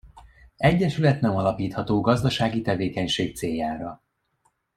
Egyesület nem alapítható gazdasági tevékenység céljára.